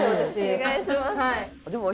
お願いします。